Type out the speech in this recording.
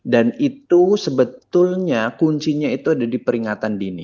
dan itu sebetulnya kuncinya itu ada di peringatan dini